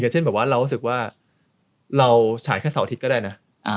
เช่นแบบว่าเรารู้สึกว่าเราฉายแค่เสาร์อาทิตย์ก็ได้นะ